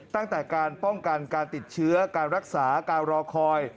ตั้งแต่การป้องกันการติดเชื้อการรักษาการรอคอย